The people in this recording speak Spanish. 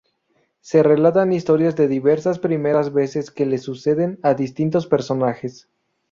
Se relatan historias de diversas primeras veces que le suceden a distintos personajes.